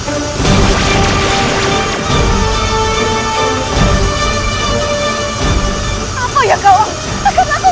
aku lakukan kejadian bayat suamiku